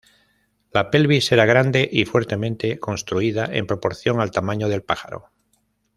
La pelvis era grande y fuertemente construida en proporción al tamaño del pájaro.